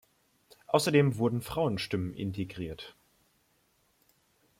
Außerdem wurden Frauenstimmen integriert.